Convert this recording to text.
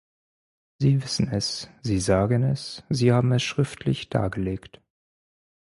Sie wissen es, sie sagen es, sie haben es schriftlich dargelegt.